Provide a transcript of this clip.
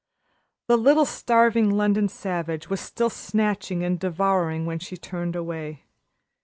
The little starving London savage was still snatching and devouring when she turned away.